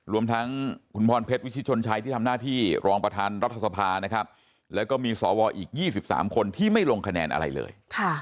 รวมทั้งคุณพรเพชรวิชิตชนชัยที่ทำหน้าที่รองประธานรัฐสภานะครับแล้วก็มีสวอีก๒๓คนที่ไม่ลงคะแนนอะไรเลย